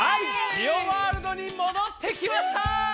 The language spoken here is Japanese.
ジオワールドにもどってきました！